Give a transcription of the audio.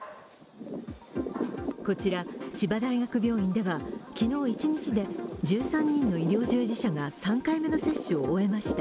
こちら、千葉大学病院では昨日一日で１３人の医療従事者が３回目の接種を終えました。